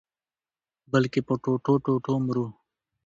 بلکي په ټوټو-ټوټو مرو